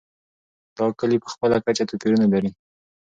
دا کلي په خپله کچه توپیرونه لري.